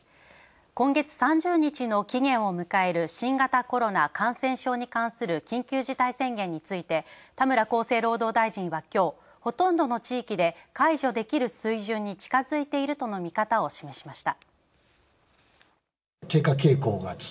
今月３０日の期限を迎える新型コロナ感染症に関する緊急事態宣言について田村厚生労働大臣は今日ほとんどの地域で解除できる水準に近づいているとの見方を示しました。